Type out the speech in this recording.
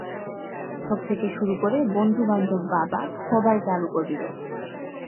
শিক্ষক থেকে শুরু করে বন্ধু-বান্ধব বাবা সবাই তার উপর বিরক্ত।